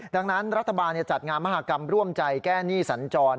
ดังนั้นรัฐบาลจัดงานมหากรรมร่วมใจแก้หนี้สัญจร